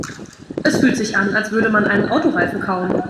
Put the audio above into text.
Es fühlt sich an, als würde man einen Autoreifen kauen.